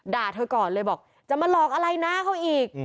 ด่าเธอก่อนเลยบอกจะมาหลอกอะไรน้าเขาอีก